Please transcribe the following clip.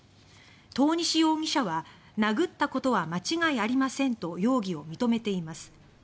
遠西容疑者は「殴ったことは間違いありません」と容疑を認めています。